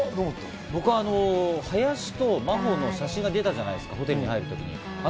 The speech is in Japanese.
僕は、林と真帆の写真が出たじゃないですか、ホテルに入る。